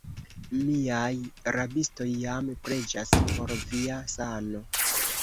Miaj rabistoj jam preĝas por via sano.